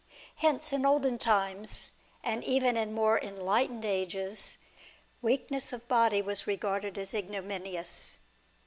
Hence in olden times, and even in more enlightened ages, weakness of body was regarded as ignominious.